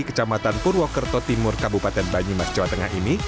kecamatan purwokerto timur kabupaten banyumas jawa tengah ini